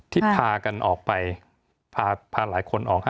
ที่พากันออกไปพาหลายคนออก